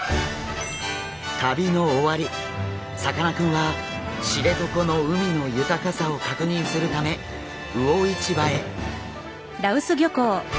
旅の終わりさかなクンは知床の海の豊かさを確認するため魚市場へ。